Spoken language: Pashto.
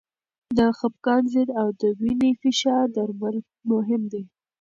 د خپګان ضد او د وینې فشار درمل مهم دي.